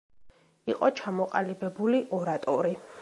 იყო ჩამოყალიბებული ორატორი.